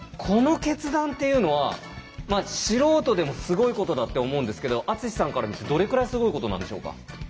この決断っていうのは素人でもすごいことだって思うんですけど篤さんから見てどれくらいすごいことなんでしょうか？